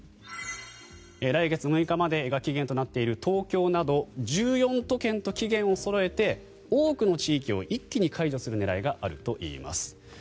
来月６日までが期限となっている東京など１４都県と期限をそろえて多くの地域を一気に解除する狙いがあるといいます。